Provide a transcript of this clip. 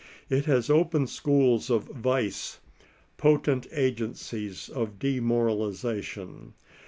It has open schools of vice, potent agencies of demoralization.